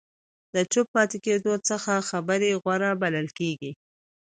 د چوپ پاتې کېدلو څخه خبرې غوره بلل کېږي.